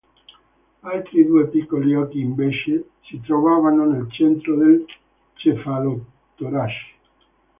Altri due piccoli occhi, invece, si trovavano nel centro del cefalotorace.